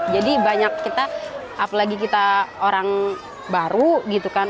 jadi banyak kita apalagi kita orang baru gitu kan